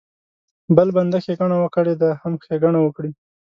بل بنده ښېګڼه وکړي دی هم ښېګڼه وکړي.